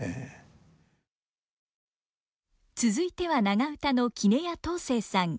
続いては長唄の杵屋東成さん。